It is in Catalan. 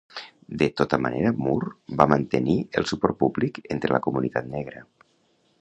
De tota manera Moore va mantenir el suport públic entre la comunitat negra.